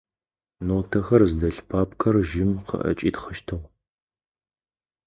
Нотэхэр зыдэлъ папкэр жьым къыӏэкӏитхъыщтыгъ.